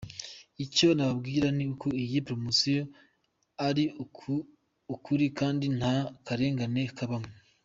Icyo nababwira ni uko iyi promosiyo ari ukuri kandi nta karengane kabamo.